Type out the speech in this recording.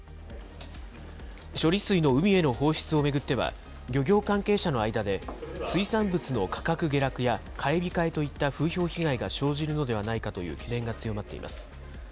処理水の海への放出を巡っては、漁業関係者の間で、水産物の価格下落や買い控えといった風評被害が生じるのではないかという懸念が強まっています。